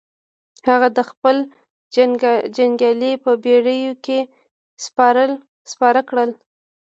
هغه خپل جنګيالي په بېړيو کې سپاره کړل.